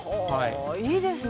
◆いいですね。